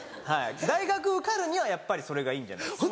大学受かるにはやっぱりそれがいいんじゃないですか。